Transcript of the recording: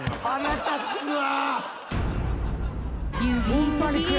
腹立つわ！